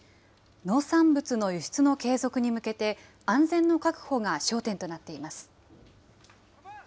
農産物の輸出の継続に向けて、安全の確保が焦点となっています。